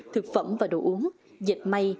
thực phẩm và đồ uống dịch may